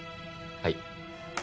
はい。